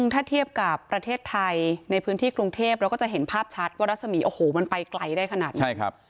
ถ้าเทียบกับประเทศไทยในพื้นที่กรุงเทพเราก็จะเห็นภาพชัดว่ารัศมีโอ้โหมันไปไกลได้ขนาดนี้ใช่ครับ